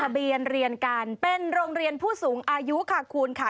เบียนเรียนกันเป็นโรงเรียนผู้สูงอายุค่ะคุณค่ะ